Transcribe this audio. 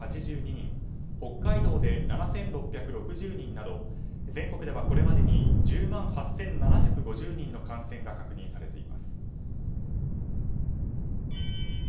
北海道で７６６０人など全国ではこれまでに１０万８７５０人の感染者が感染が確認されています。